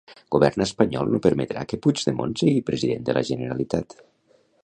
Govern espanyol no permetrà que Puigdemont sigui president de la Generalitat.